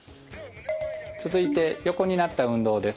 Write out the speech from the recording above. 続いて横になった運動です。